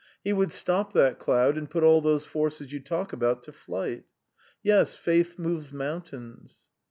He would stop that cloud and put all those forces you talk about to flight. Yes ... faith moves mountains."